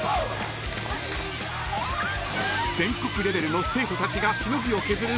［全国レベルの生徒たちがしのぎを削る